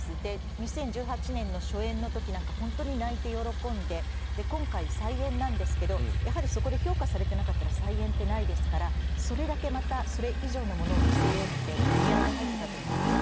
２０１８年の初演の時なんか本当に泣いて喜んで今回、再演なんですけどやはりそこで評価されてなかったら再演ってないですからそれだけまたそれ以上のものを見せようと気合が入っていたと思うんです。